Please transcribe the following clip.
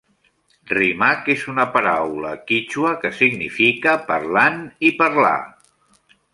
Rimaq és una paraula quítxua, que significa "parlant" i "parlar".